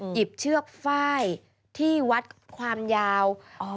หยิบเชือกฝ้ายที่วัดความยาว